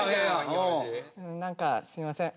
何かすいません